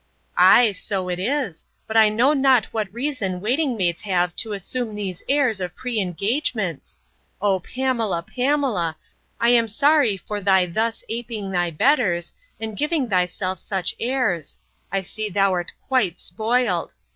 —Ay, so it is; but I know not what reason waiting maids have to assume these airs of pre engagements! Oh, Pamela, Pamela, I am sorry for thy thus aping thy betters, and giving thyself such airs: I see thou'rt quite spoiled!